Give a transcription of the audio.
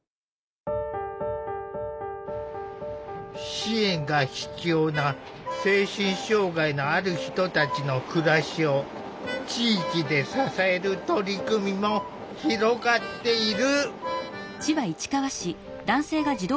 支援が必要な精神障害のある人たちの暮らしを地域で支える取り組みも広がっている。